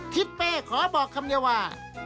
คิดไปขอบอกคำยาว่า